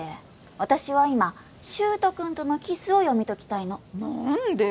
私は今柊人君とのキスを読み解きたいの何で？